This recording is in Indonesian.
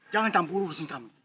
jangan tampu urusin kami